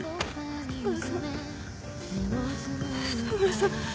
田村さん。